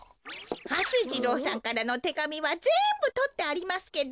はす次郎さんからのてがみはぜんぶとってありますけど